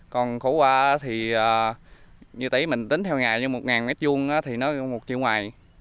còn khổ qua thì như tí mình tính theo ngày một m hai thì nó một triệu ngoài